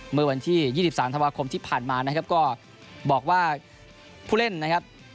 เมื่อวันที่๒๓ธันวาคมที่ผ่านมานะครับก็บอกว่าผู้เล่นนะครับ